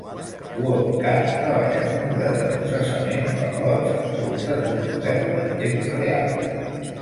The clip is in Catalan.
WorldCat treballa amb un model de processament per lots en comptes d'un model en temps real.